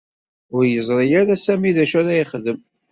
Ur yeẓri ara Sami d acu ad yexdem.